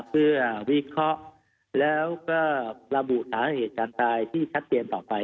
เพื่อวิเคราะห์แล้วก็ระบุสาเหตุการตายที่ชัดเจนต่อไป